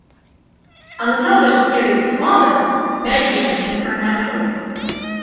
On the television series "Smallville", metahumans can occur naturally.